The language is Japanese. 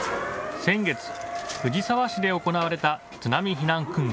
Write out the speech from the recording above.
先月、藤沢市で行われた津波避難訓練。